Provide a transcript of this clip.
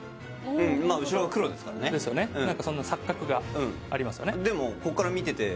うんまあ後ろが黒ですからねなんかそんな錯覚がありますよね